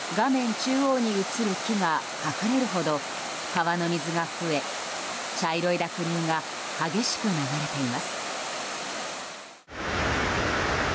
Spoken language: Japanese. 中央に映る木が隠れるほど川の水が増え茶色い濁流が激しく流れています。